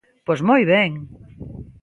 ¡Pois moi ben!